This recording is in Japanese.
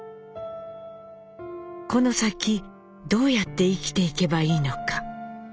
この先どうやって生きていけばいいのか。